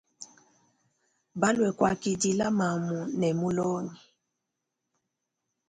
Balwe kwakidile mamu ne mulongi.